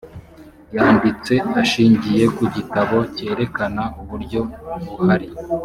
yanditse ashingiye ku gitabo cyerekana uburyo buhari